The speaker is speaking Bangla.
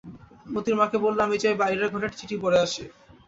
মোতির মাকে বললে, আমি যাই বাইরের ঘরে, চিঠি পড়ে আসি।